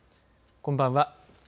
こんばんは。